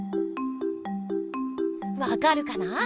わかるかな？